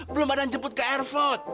belom ada yang jemput ke airport